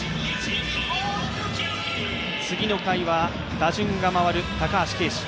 次の回は打順が回る高橋奎二。